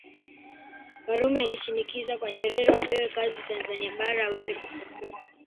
Karume alishinikiza kwa Nyerere wapewe kazi Tanzania Bara aweze kupumua